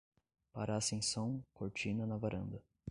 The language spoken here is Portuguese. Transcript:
Para a ascensão, cortina na varanda.